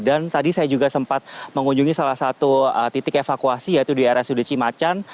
dan tadi saya juga sempat mengunjungi salah satu titik evakuasi yaitu di area sudut cimacan